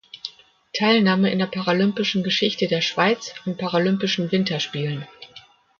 Teilnahme in der Paralympischen Geschichte der Schweiz an Paralympischen Winterspielen.